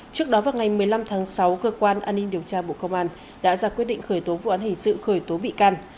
trước đó vào ngày một mươi năm tháng sáu cơ quan an ninh điều tra bộ công an đã ra quyết định khởi tố vụ án hình sự khởi tố bị can